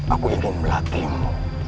aku ingin melatihmu